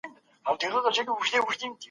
ابن خلدون د ټولني رګونه پيژندل.